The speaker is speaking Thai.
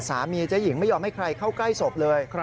เจ๊หญิงไม่ยอมให้ใครเข้าใกล้ศพเลย